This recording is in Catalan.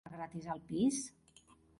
Cal empadronar-se per entrar gratis al pis?